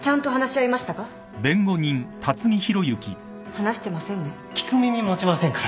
話してませんね。